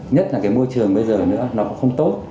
nhất là cái môi trường bây giờ nữa nó cũng không tốt